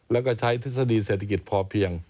แล้วก็ใช้ทฤษฎีเศรษฐกิจพอเพียง